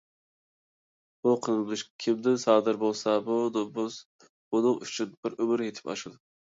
بۇ قىلمىش كىمدىن سادىر بولسا بۇ نومۇس ئۇنىڭ ئۈچۈن بىر ئۆمۈر يېتىپ ئاشىدۇ.